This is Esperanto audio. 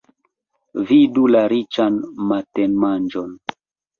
Vidu la riĉan matenmanĝon.